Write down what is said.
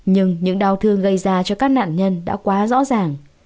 nhưng những đau thương gây ra cho các nạn nhân đã quá rõ ràng